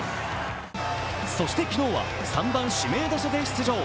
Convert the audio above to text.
そして昨日は３番・指名打者で出場。